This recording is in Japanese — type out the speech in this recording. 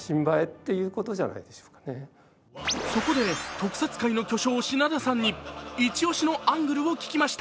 そこで特撮界の巨匠・品田さんにイチ押しのアングルを聞きました。